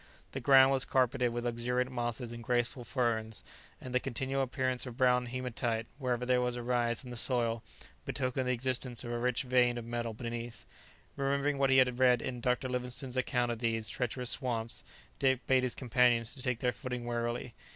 The ground was carpeted with luxuriant mosses and graceful ferns, and the continual appearance of brown hematite wherever there was a rise in the soil, betokened the existence of a rich vein of metal beneath. Remembering what he had read in Dr. Livingstone's account of these treacherous swamps, Dick bade his companions take their footing warily.